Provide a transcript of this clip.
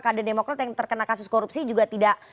kader demokrat yang terkena kasus korupsi juga tidak